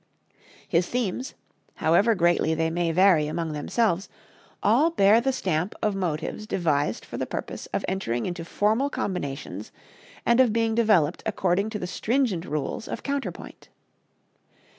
His themes, however greatly they may vary among themselves, all bear the stamp of motives devised for the purpose of entering into formal combinations and of being developed according to the stringent rules of counterpoint.